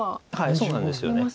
そうなんですよね。